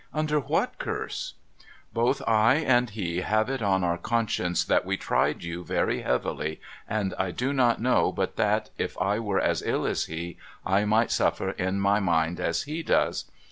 * Under what curse ?'' Both I and he have it on our conscience that we tried you very heavily, and I do not know but that, if I were as ill as he, I might suffer in my mind as he does.